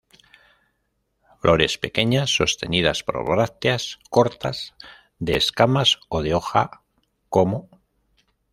Flores pequeñas, sostenidas por brácteas cortas, de escamas o de hoja-como.